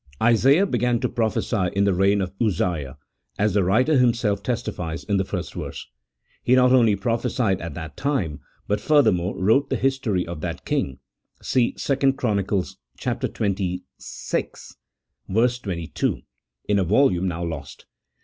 Isaiah began to prophecy in the reign of Uzziah, as the writer himself testifies in the first verse. He not only prophesied at that time, but furthermore wrote the his tory of that king (see 2 Chron. xxvi. 22) in a volume now lost.